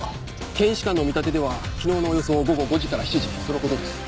検視官の見立てでは昨日のおよそ午後５時から７時との事です。